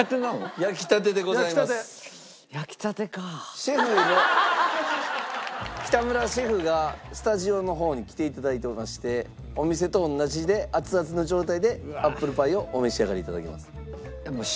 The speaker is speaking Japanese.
シェフの北村シェフがスタジオの方に来て頂いておりましてお店と同じで熱々の状態でアップルパイをお召し上がり頂けます。